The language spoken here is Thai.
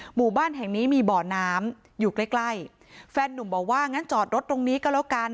หมู่บ้านแห่งนี้มีบ่อน้ำอยู่ใกล้ใกล้แฟนนุ่มบอกว่างั้นจอดรถตรงนี้ก็แล้วกัน